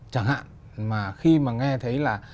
chẳng hạn mà khi mà nghe thấy là